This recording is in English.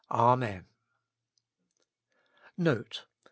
Amen. NOTE.